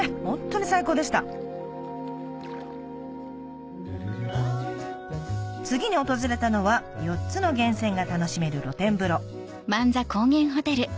ホントに最高でした次に訪れたのは４つの源泉が楽しめる露天風呂